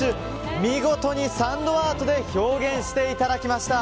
見事にサンドアートで表現していただきました。